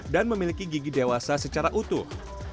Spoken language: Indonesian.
dan memiliki gigi dewasa secara utuh